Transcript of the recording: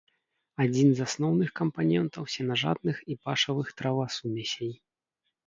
Адзін з асноўных кампанентаў сенажатных і пашавых травасумесей.